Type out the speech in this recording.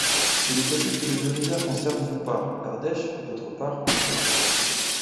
Il est possible que les deux rivières concernent d’une part, l’Ardèche, d’autre part l’Ouvèze.